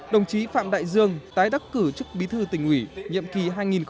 đồng chí phạm đại dương tái đắc cử chức bí thư tỉnh ủy nhiệm kỳ hai nghìn hai mươi hai nghìn hai mươi năm